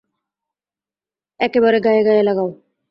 একেবারে গায়ে গায়ে লাগাও।